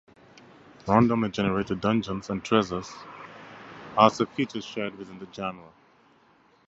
Randomly generated dungeons and treasures are also features shared with the genre.